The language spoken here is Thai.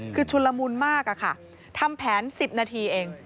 คือชุนละมุนมากอะค่ะทำแผน๑๐นาทีเอง